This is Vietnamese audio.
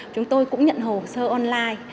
chúng tôi cũng nhận hồ sơ online